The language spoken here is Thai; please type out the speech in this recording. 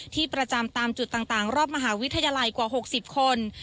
ที่ประจำตามจุดต่างรอบมหาวิทยาลัยกว่า๖๐คน